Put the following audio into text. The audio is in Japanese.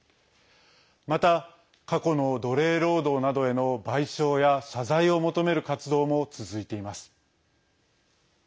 また、過去の奴隷労働などへの賠償や謝罪を求める活動も続いています。